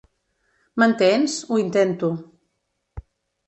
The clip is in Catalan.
M'entens? Ho intento.